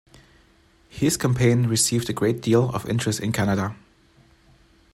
His campaign received a great deal of interest in Canada.